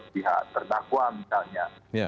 pihak terdakwa misalnya